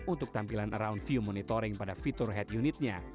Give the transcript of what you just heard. untuk tampilan around view monitoring pada fitur head unitnya